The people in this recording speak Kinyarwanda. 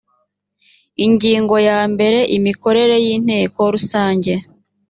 ingingo ya mbere imikorere y inteko rusange